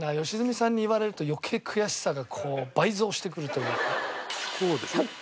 良純さんに言われると余計悔しさがこう倍増してくるというか。